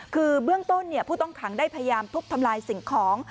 คือเบื้องต้นผู้ต้องขังได้พยายามทุบทำลายสิ่งของ